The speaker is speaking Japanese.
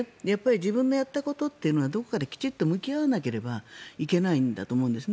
自分のやったことっていうのはどこかで向き合わなければいけないと思うんですね。